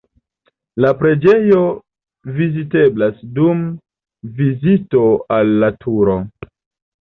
La preĝejo viziteblas dum vizito al la Turo.